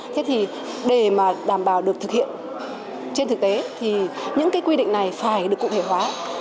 thế thì để mà đảm bảo được thực hiện trên thực tế thì những cái quy định này phải được cụ thể hóa